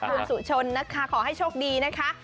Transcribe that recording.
คุณสุชนนะคะขอให้โชคดีนะคะ